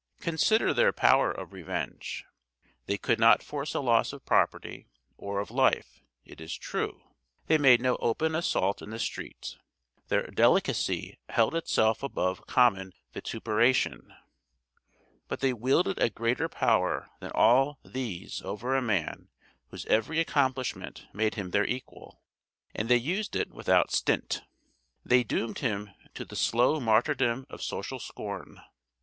Consider their power of revenge. They could not force a loss of property or of life, it is true; they made no open assault in the street; their 'delicacy' held itself above common vituperation. But they wielded a greater power than all these over a man whose every accomplishment made him their equal, and they used it without stint. They doomed him to the slow martyrdom of social scorn.